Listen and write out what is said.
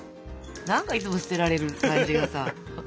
何かいつも捨てられる感じがさ。